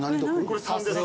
これ３です。